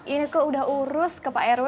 ini kok udah urus ke pak rw